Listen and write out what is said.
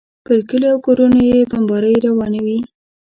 پر کلیو او کورونو یې بمبارۍ روانې وې.